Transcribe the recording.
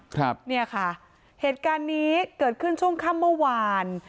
ครับเนี่ยค่ะเหตุการณ์นี้เกิดขึ้นช่วงค่ำเมื่อวาน